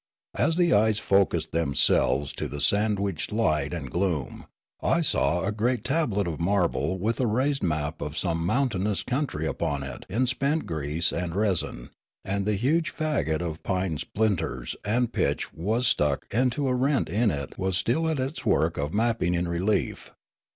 As the eyes focussed themselves to the sandwiched light and gloom, I saw a great tablet of marble with a raised map of some mountainous country upon it in spent grease and resin ; and the huge fagot of pine splinters and pitch that was stuck into a rent in it was still at its work of mapping in relief.